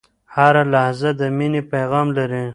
هره لحظه د میني پیغام لري